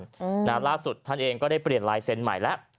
อืมนะฮะล่าสุดท่านเองก็ได้เปลี่ยนลายเซ็นต์ใหม่แล้ว